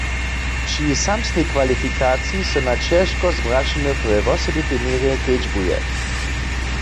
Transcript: Při samsnej kwalifikaciji so na ćežko zbrašenych we wosebitej měrje kedźbuje.